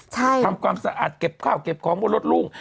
ทำความสะอาดเก็บข้าวเก็บของของรถลูก